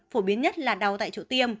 thổ biến nhất là đau tại chỗ tiêm